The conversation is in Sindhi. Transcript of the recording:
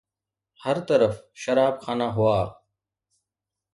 هر طرف شراب خانا هئا.